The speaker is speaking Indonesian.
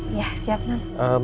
iya siap nam